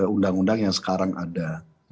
undang undang yang sekarang ada